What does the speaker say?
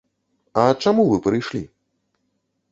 А чаму вы прыйшлі?